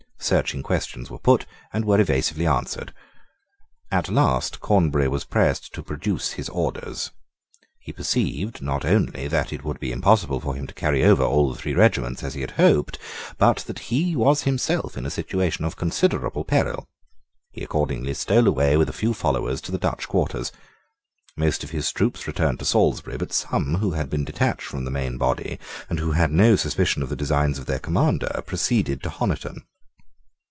Searching questions were put, and were evasively answered. At last Cornbury was pressed to produce his orders. He perceived, not only that it would be impossible for him to carry over all the three regiments, as he had hoped, but that he was himself in a situation of considerable peril. He accordingly stole away with a few followers to the Dutch quarters. Most of his troops returned to Salisbury but some who had been detached from the main body, and who had no suspicion of the designs of their commander, proceeded to Honiton.